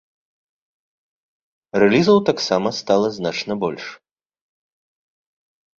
Рэлізаў таксама стала значна больш.